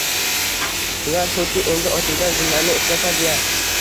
Ular huddi endi ochilgan gullarni eslatadi-ya.